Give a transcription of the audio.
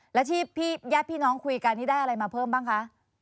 แล้วที่ญาติพี่น้องคุยกันนี่ได้อะไรมาเพิ่มบ้างคะ